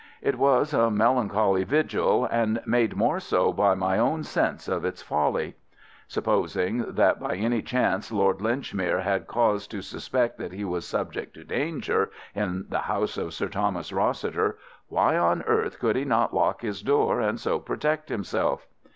It was a melancholy vigil, and made more so by my own sense of its folly. Supposing that by any chance Lord Linchmere had cause to suspect that he was subject to danger in the house of Sir Thomas Rossiter, why on earth could he not lock his door and so protect himself?